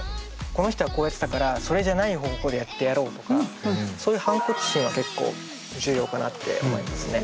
この人はこうやってたからそれじゃない方法でやってやろうとかそういう反骨心は結構重要かなって思いますね。